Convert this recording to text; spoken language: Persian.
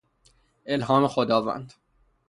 الهام خداوند